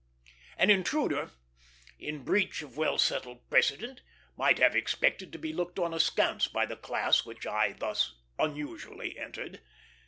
An intruder, in breach of well settled precedent, might have expected to be looked on askance by the class which I thus unusually entered.